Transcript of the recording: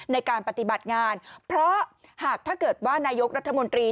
ในการปฏิบัติงานเพราะหากถ้าเกิดว่านายกรัฐมนตรี